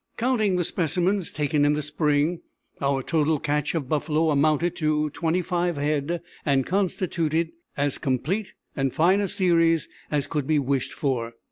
Counting the specimens taken in the spring, our total catch of buffalo amounted to twenty five head, and constituted as complete and fine a series as could be wished for.